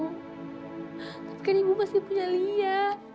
tapi kan ibu masih punya lia